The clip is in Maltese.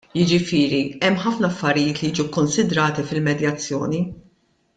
Jiġifieri hemm ħafna affarijiet li jiġu kkonsidrati fil-medjazzjoni.